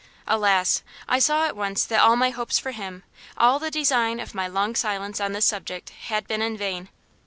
Alas! I saw at once that all my hopes for him, all the design of my long silence on this subject, had been in vain.